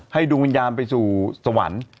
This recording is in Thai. ให้ดุมิญญาณไปสู่สวรรค์